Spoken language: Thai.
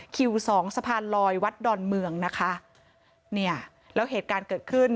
คิวสองสะพานลอยวัดดอนเมืองนะคะเนี่ยแล้วเหตุการณ์เกิดขึ้น